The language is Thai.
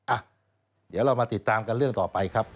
อ่ะเดี๋ยวเรามาติดตามกันเรื่องต่อไปครับ